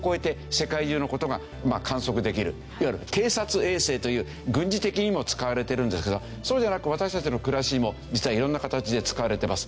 そうするといわゆる偵察衛星という軍事的にも使われてるんですけどそうじゃなく私たちの暮らしにも実はいろんな形で使われてます。